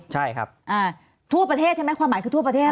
ใช่ครับทั่วประเทศใช่ไหมความหมายคือทั่วประเทศ